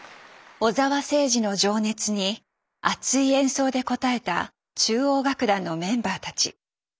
小澤征爾の情熱に熱い演奏で応えた中央楽団のメンバーたち。